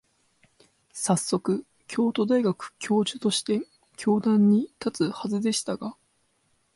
さっそく、京都大学教授として教壇に立つはずでしたが、